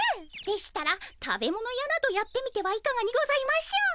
でしたら食べ物屋などやってみてはいかがにございましょう？